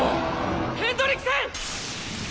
ヘンドリクセン！